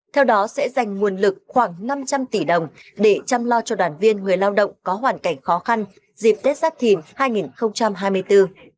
theo đó sẽ dành nguồn lực khoảng năm trăm linh tỷ đồng để chăm lo cho đoàn viên người lao động có hoàn cảnh khó khăn dịp tết giáp thìn hai nghìn hai mươi bốn